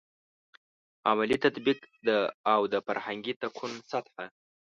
عملي تطبیق او د فرهنګي تکون سطحه.